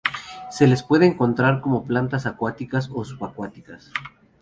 Se les puede encontrar como plantas acuáticas o subacuáticas.